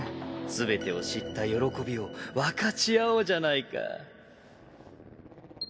全てを知った喜びを分かち合おうじゃないか。